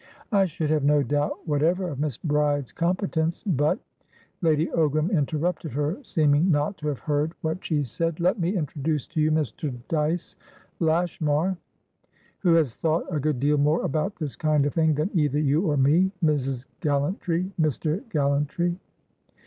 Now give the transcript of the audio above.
"I should have no doubt whatever of Miss Bride's competence. But" Lady Ogram interrupted her, seeming not to have heard what she said. "Let me introduce to you Mr. Dyce Lashmar, who has thought a good deal more about this kind of thing than either you or me. Mrs. Gallantry, Mr. Gallantry."